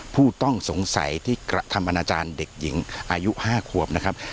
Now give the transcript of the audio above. ผู้ต้องสงสัยที่กระทำอนาจารย์เด็กหญิงอายุ๕ขวบนะครับ